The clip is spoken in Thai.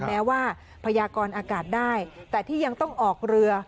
แม้ว่าพยากรอากาศได้แต่ที่ยังต้องออกเรือ